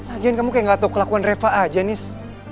lagian kamu kayak gak tau kelakuan reva aja nis